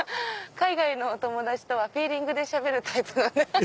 海外のお友達とはフィーリングでしゃべるタイプなんで。